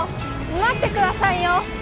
待ってくださいよ